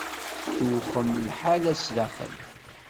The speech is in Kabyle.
Tewxem lḥala sdaxel.